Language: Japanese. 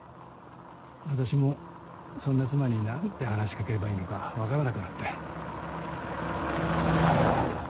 私もそんな妻に何て話し掛ければいいのか分からなくなって。